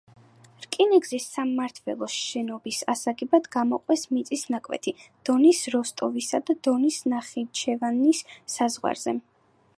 რკინიგზის სამმართველოს შენობის ასაგებად გამოყვეს მიწის ნაკვეთი დონის როსტოვისა და დონის ნახიჩევანის საზღვარზე.